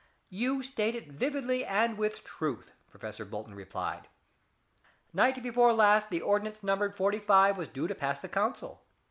"You state it vividly and with truth," Professor Bolton replied. "Night before last the ordinance numbered 45 was due to pass the council.